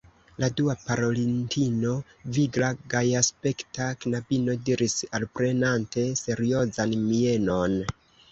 La dua parolintino, vigla, gajaspekta knabino, diris alprenante seriozan mienon: